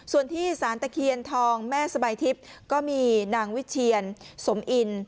ส่วนที่สารตะเคียนทองแม่สบายทิพย์ก็มีนางวิเชียนสมอิน